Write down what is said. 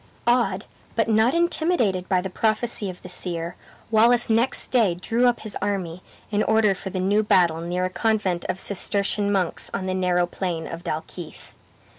Awed, but not intimidated by the prophecy of the seer, Wallace next day drew up his army in order for the new battle near a convent of Cistercian monks on the narrow plain of Dalkeith.